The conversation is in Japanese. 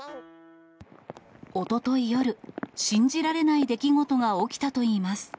おととい夜、信じられない出来事が起きたといいます。